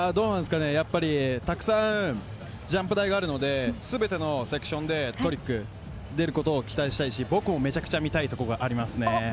たくさんジャンプ台があるので、全てのセクションでトリック出ることを期待したいし、僕もめちゃくちゃ見たいところがあります。